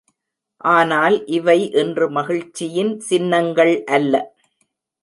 ஆனால் இவை இன்று மகிழ்ச்சியின் சின்னங்கள் அல்ல.